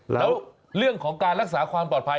แล้วเรื่องของการรักษาความปลอดภัย